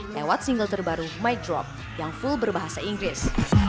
lewat single terbaru mic drop yang full berbahasa inggris